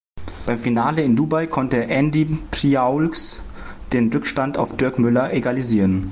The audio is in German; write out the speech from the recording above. Beim Finale in Dubai konnte Andy Priaulx den Rückstand auf Dirk Müller egalisieren.